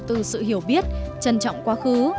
từ sự hiểu biết trân trọng quá khứ